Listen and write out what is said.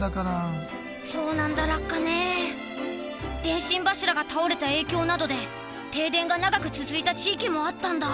電信柱が倒れた影響などで停電が長く続いた地域もあったんだ。